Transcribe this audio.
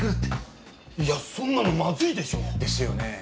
いやそんなのまずいでしょ。ですよね。